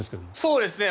そうですね。